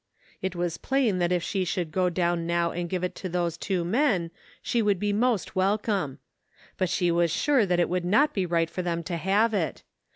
It was plain that if she should go down now and give it to those two men she would be most welcome; but she was sure that it would not be right for them to have it.